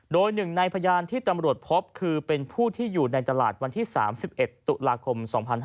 โดยหนึ่งในพยานที่ตำรวจพบคือเป็นผู้ที่อยู่ในตลาดวันที่๓๑ตุลาคม๒๕๕๙